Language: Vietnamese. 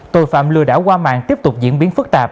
tội phạm lừa đảo qua mạng tiếp tục diễn biến phức tạp